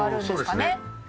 そうですね。